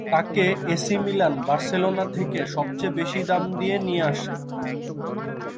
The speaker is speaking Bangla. তাকে এ সি মিলান বার্সেলোনা থেকে সবচেয়ে বেশি দাম দিয়ে নিয়ে আসে।